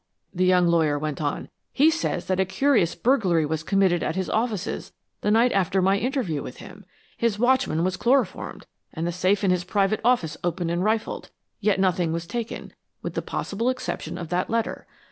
the young lawyer went on. "He says that a curious burglary was committed at his offices the night after my interview with him his watchman was chloroformed, and the safe in his private office opened and rifled, yet nothing was taken, with the possible exception of that letter.